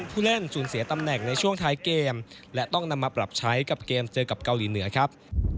ผู้เล่นสูญเสียตำแหน่งในช่วงท้ายเกมและต้องนำมาปรับใช้กับเกมเจอกับเกาหลีเหนือครับ